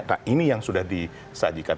nah ini yang sudah disajikan